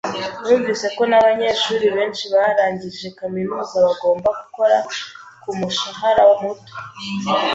Numvise ko nabanyeshuri benshi barangije kaminuza bagomba gukora kumushahara muto.